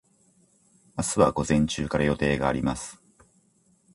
明日は午前中から予定があります。